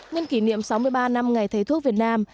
nhân kỷ niệm sáu mươi ba năm ngày thầy thuốc việt nam